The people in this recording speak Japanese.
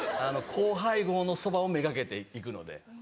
高配合のそばをめがけて行くので。